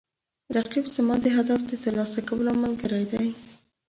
رقیب زما د هدف د ترلاسه کولو ملګری دی